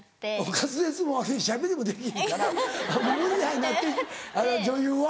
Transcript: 滑舌も悪いししゃべりもできへんからもう無理や！になって女優は？